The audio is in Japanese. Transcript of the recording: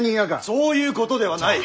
そういうことではない！